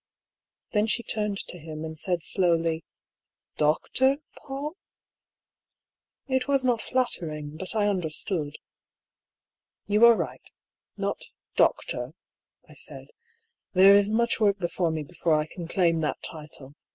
Then she turned to him, and said slowly :" Doctor Paull ?" It was not flattering, but I understood. "You are right— not Doctor^'' I said. "There is much work before me before I can claim that title.